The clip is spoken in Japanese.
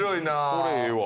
これええわ。